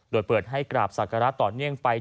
โดยเปิดให้กราบศักระต่อเนื่องไป